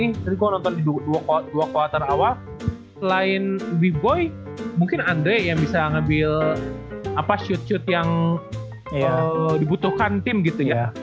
tadi gua nonton di dua quarter awal selain bboy mungkin andre yang bisa nge build shoot shoot yang dibutuhkan tim gitu ya